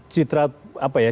citra apa ya